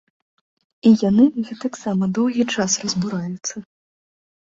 І яны гэтаксама вельмі доўгі час разбураюцца.